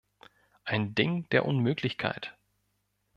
Ein Ding der Unmöglichkeit.